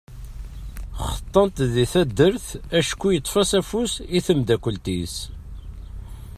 Xeṭṭan-t di taddart acku yeṭṭef-as afus i temdakelt-is.